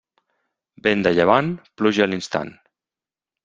Vent de llevant, pluja a l'instant.